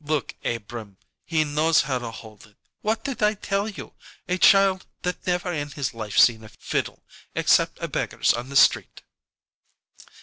"Look, Abrahm, he knows how to hold it! What did I tell you? A child that never in his life seen a fiddle, except a beggar's on the street!"